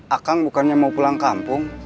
akang bukannya mau pulang kampung